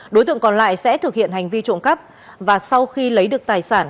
đối tượng còn lại sẽ thực hiện hành vi trộm cắp và sau khi lấy được tài sản